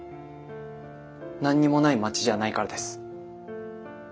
何にもない町じゃないからです。